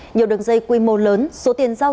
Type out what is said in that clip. nhiều đường dây quy mô lớn số tiền giao